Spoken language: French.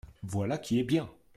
Voilà qui est bien !